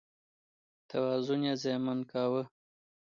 توازن یې زیانمن کاوه.